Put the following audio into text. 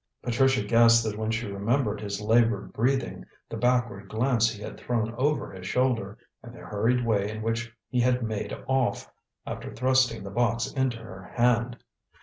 Patricia guessed that when she remembered his laboured breathing, the backward glance he had thrown over his shoulder, and the hurried way in which he had made off, after thrusting the box into her hand.